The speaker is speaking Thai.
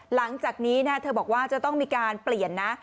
หลังจากนี้เธอบอกว่าจะต้องมีการเปลี่ยนนะ